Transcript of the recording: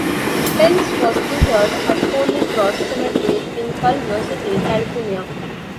Penn's was interred at Holy Cross Cemetery in Culver City, California.